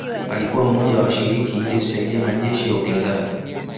Alikuwa mmoja wa washiriki ili kusaidia majeshi ya upinzani